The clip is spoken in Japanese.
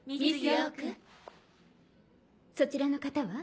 そちらの方は？